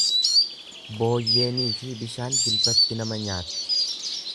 Booyyeeniifi bishaan jilbatti nama nyaatti.